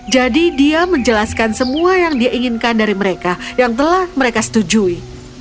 jadi dia menjelaskan semua yang dia inginkan dari mereka yang telah mereka setujui